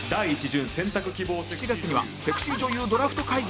７月にはセクシー女優ドラフト会議も